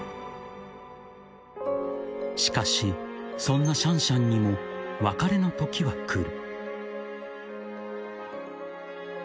［しかしそんなシャンシャンにも別れの時は来る］